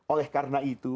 oleh karena itu